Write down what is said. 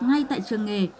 ngay tại trường nghề